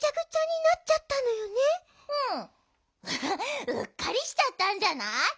アハッうっかりしちゃったんじゃない？